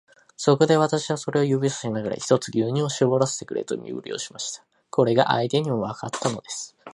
そこで、私はそれを指さしながら、ひとつ牛乳をしぼらせてくれという身振りをしました。これが相手にもわかったのです。